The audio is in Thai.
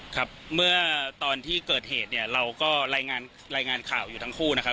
ครับเมื่อตอนที่เกิดเหตุเนี่ยเราก็รายงานรายงานข่าวอยู่ทั้งคู่นะครับ